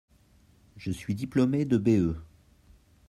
Je suis diplomé de B.E.